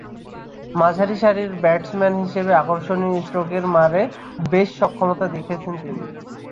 মাঝারিসারির batsman হিসেবে আকর্ষণীয় স্ট্রোকের মারে বেশ সক্ষমতা দেখিয়েছেন তিনি।